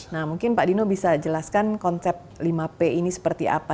nah mungkin pak dino bisa jelaskan konsep lima p ini seperti apa